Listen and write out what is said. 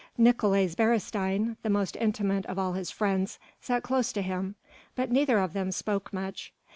Nicolaes Beresteyn, the most intimate of all his friends, sat close to him, but neither of them spoke much.